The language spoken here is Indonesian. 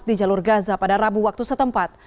di jalur gaza pada rabu waktu setempat